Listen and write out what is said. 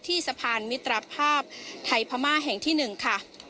สะพานมิตรภาพไทยพม่าแห่งที่๑ค่ะ